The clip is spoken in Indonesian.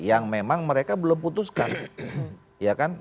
yang memang mereka belum putuskan